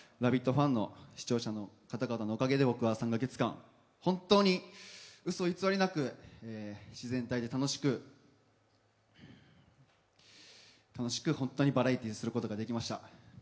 ファンの視聴者の方々のおかげで僕は３か月間、本当にうそ偽りなく自然体で楽しく楽しく、バラエティーにすることができました。